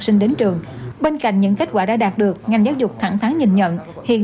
sinh đến trường bên cạnh những kết quả đã đạt được ngành giáo dục thẳng tháng nhìn nhận hiện